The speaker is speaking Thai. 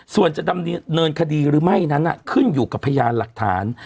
ส่วนจะดำเนินคดีหรือไม่นั้นขึ้นอยู่กับพยานหลักฐาน